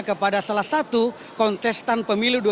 kepada salah satu kontestan pemilu dua ribu dua puluh empat